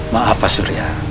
maaf pak surya